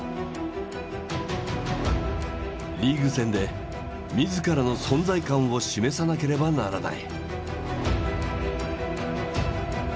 リーグ戦で自らの存在感を示さなければならない。